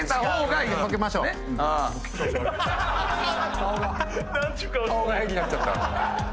顔が変になっちゃった。